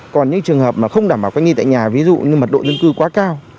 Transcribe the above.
còn những trường hợp mà không đảm bảo cách ly tại nhà ví dụ như mật độ dân cư quá cao